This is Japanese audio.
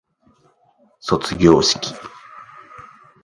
卒業式